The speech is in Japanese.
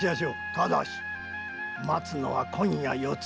ただし待つのは今夜四ツ